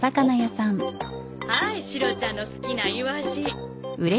はいシロちゃんの好きなイワシ。